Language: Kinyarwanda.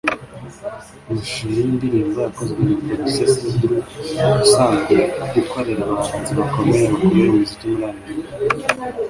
Amashusho y’iyi ndirimbo yakozwe na producer Cedru usanzwe ukorera abahanzi bakomeye bakorera umuziki muri Amerika